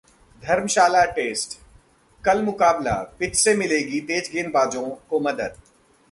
धर्मशाला test: कल मुकाबला, pitch से मिलेगी तेज गेंदबाजों को मदद